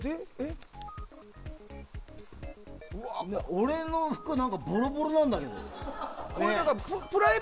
俺の服ボロボロなんだけど。